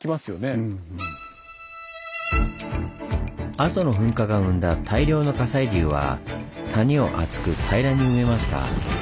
阿蘇の噴火が生んだ大量の火砕流は谷を厚く平らに埋めました。